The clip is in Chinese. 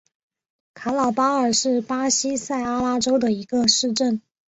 卡瑙巴尔是巴西塞阿拉州的一个市镇。